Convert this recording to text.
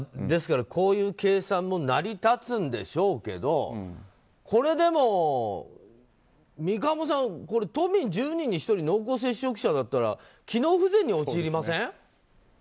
ですからこういう計算も成り立つんでしょうけどこれ、でも三鴨さん都民１０人に１人濃厚接触者だったら機能不全に陥りません？